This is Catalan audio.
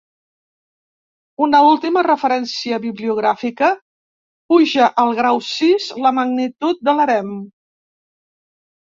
Una última referència bibliogràfica puja al grau sis la magnitud de l'harem.